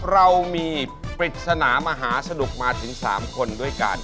เรามีปริศนามหาสนุกมาถึง๓คนด้วยกัน